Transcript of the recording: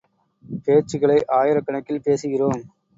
பேச்சுகளை ஆயிரக் கணக்கில் பேசுகிறோம்.